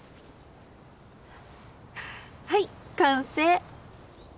はい完成。